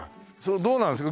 どうなんですか？